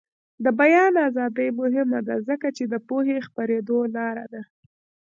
د بیان ازادي مهمه ده ځکه چې د پوهې خپریدو لاره ده.